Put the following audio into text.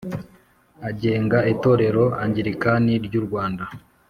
agenga Itorero Anglikani ry u Rwanda